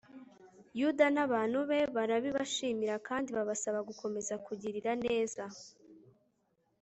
yuda n'abantu be barabibashimira kandi babasaba gukomeza kugirira neza